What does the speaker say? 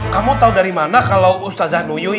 kamu tau dari mana kalau ustazah nuyu